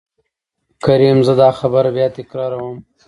کريم :زه دا خبره بيا تکرار وم.